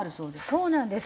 そうなんです。